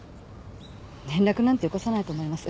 連絡なんてよこさないと思います。